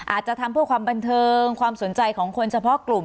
อาจจะทำเพื่อความบันเทิงความสนใจของคนเฉพาะกลุ่ม